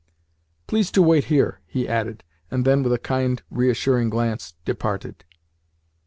"Please to wait here," he added, and then, with a kind, reassuring glance, departed.